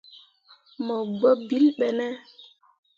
Mo gbǝ ɓilli ɓe ne ?